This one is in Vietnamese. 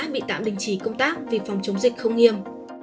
bị tạm đình chỉ công tác vì phòng chống dịch không nghiêm